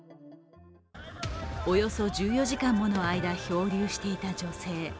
およそ１４時間もの間漂流していた女性。